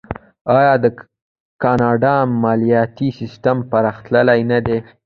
آیا د کاناډا مالیاتي سیستم پرمختللی نه دی؟